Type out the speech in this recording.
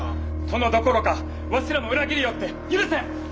殿どころかわしらも裏切りおって許せん。